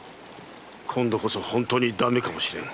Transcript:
今度こそ本当に駄目かもしれぬ